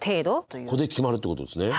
ここで決まるってことですね。